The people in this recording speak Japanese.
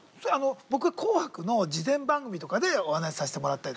僕は「紅白」の事前番組とかでお話しさせてもらったり。